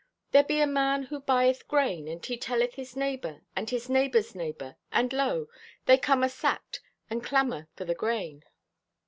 "There be a man who buyeth grain and he telleth his neighbor and his neighbor's neighbor, and lo, they come asacked and clamor for the grain.